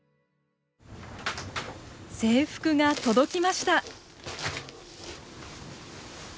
制服が届きました。